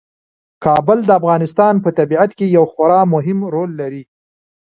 کابل د افغانستان په طبیعت کې یو خورا مهم رول لري.